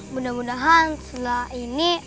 mudah mudahan setelah ini